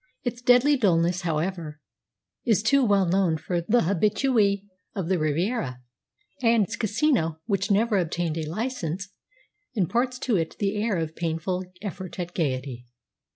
Its deadly dullness, however, is too well known to the habitué of the Riviera; and its casino, which never obtained a licence, imparts to it the air of painful effort at gaiety.